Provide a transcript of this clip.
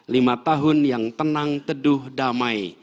lima tahun yang tenang teduh damai